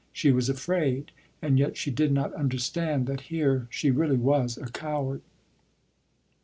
She was afraid, and yet she did not understand that here she really was a coward.